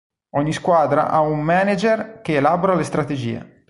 Ogni squadra ha un manager che elabora le strategie.